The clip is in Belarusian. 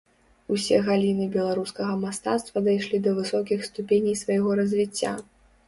Усе галіны беларускага мастацтва дайшлі да высокіх ступеней свайго развіцця.